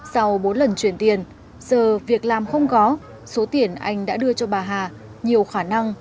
sau bốn lần chuyển tiền giờ việc làm không có số tiền anh đã đưa cho bà hà nhiều khả năng